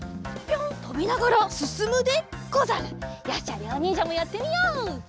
よしじゃありょうにんじゃもやってみよう！